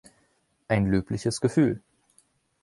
Ein löbliches Gefühl.